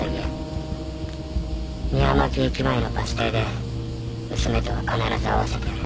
「三山木駅前のバス停で娘とは必ず会わせてやる」